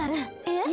え？